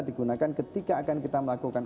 digunakan ketika akan kita melakukan